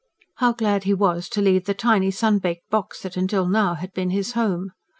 How glad he was to leave the tiny, sunbaked box that till now had been his home.